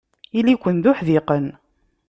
Ili-ken d uḥdiqen.